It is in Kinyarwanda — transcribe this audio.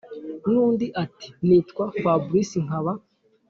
nundi ati”nitwa fabrice nkaba